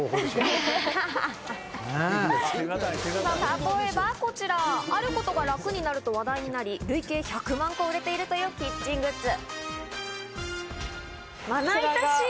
例えばこちら、あることが楽になると話題になり、累計１００万個売れているというキッチングッズ。